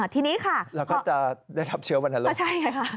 ทีนี้ค่ะเราก็จะได้รับเชื้อวรรณโรคใช่ไงค่ะ